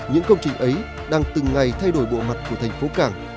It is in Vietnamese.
những công trình ấy đang từng ngày thay đổi bộ mặt của thành phố cảng